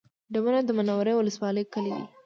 ډبونه د منورې ولسوالۍ کلی دی